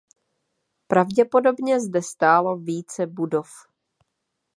Pravděpodobně zde stálo více budov.